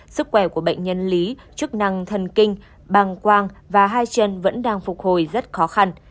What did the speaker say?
sức khỏe của bệnh nhân lý chức năng thần kinh băng quang và hai chân vẫn đang phục hồi rất khó khăn